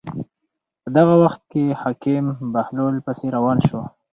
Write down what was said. په دغه وخت کې حاکم د بهلول پسې روان شو.